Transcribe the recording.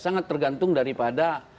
sangat tergantung daripada